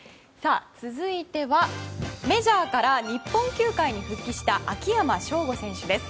続いては、メジャーから日本球界に復帰した秋山翔吾選手です。